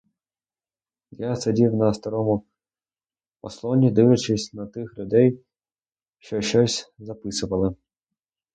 Я сидів на старому ослоні, дивлячись на тих людей, що щось записували.